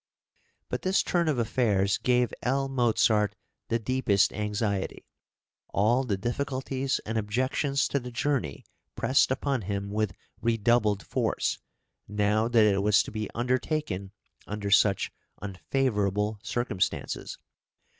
But this turn of affairs gave L. Mozart the deepest anxiety; all the difficulties and objections to the journey pressed upon him with redoubled force now that it was to be undertaken under such unfavourable circumstances.